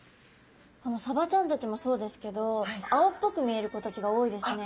サバちゃんたちもそうですけど青っぽく見える子たちが多いですね。